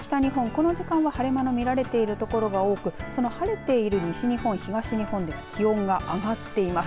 この時間は晴れ間の見られている所が多くその晴れている西日本、東日本では気温が上がっています。